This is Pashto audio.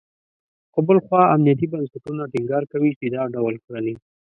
خو بل خوا امنیتي بنسټونه ټینګار کوي، چې دا ډول کړنې …